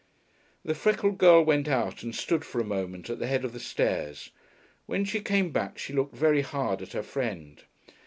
The freckled girl went out and stood for a moment at the head of the stairs. When she came back she looked very hard at her friend.